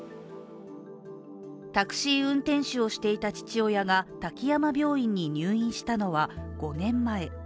タクシー運転手をしていた父親が滝山病院に入院したのは５年前。